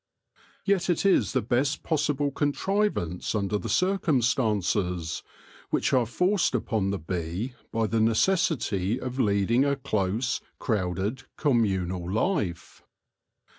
Yet it is the best possible contrivance under the circumstances, which are forced upon the bee by the necessity of lead ing a close, crowded, communal life.